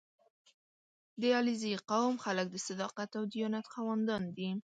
• د علیزي قوم خلک د صداقت او دیانت خاوندان دي.